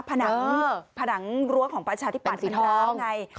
ผนังผนังรั้วของประชาธิปัตย์มันร้าวไง